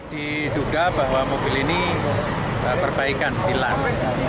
diduga bahwa mobil ini berbaikan bilas